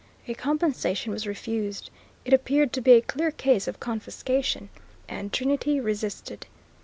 As compensation was refused, it appeared to be a clear case of confiscation, and Trinity resisted.